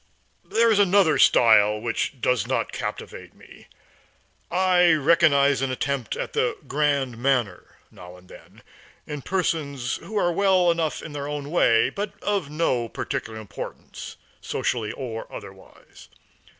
There is another style which does not captivate me. I recognize an attempt at the grand manner now and then, in persons who are well enough in their way, but of no particular importance, socially or otherwise.